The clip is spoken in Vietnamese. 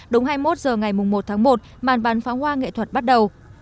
đúng hai mươi một h ngày một một màn bán pháo hoa nghệ thuật bắt đầu